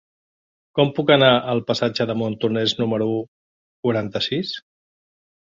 Com puc anar al passatge de Montornès número quaranta-sis?